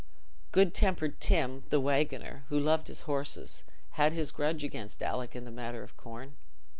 Good tempered Tim, the waggoner, who loved his horses, had his grudge against Alick in the matter of corn.